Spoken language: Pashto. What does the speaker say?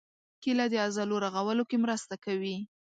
کېله د عضلو رغولو کې مرسته کوي.